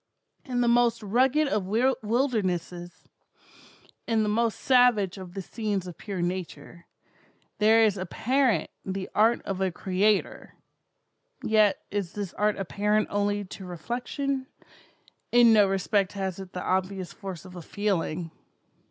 In the most rugged of wildernesses—in the most savage of the scenes of pure Nature—there is apparent the art of a Creator; yet is this art apparent only to reflection; in no respect has it the obvious force of a feeling.